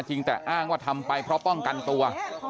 แต่อ้างว่าทำไปเพราะป้องกันตัว